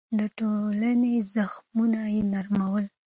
د ټولنې زخمونه يې نرمول.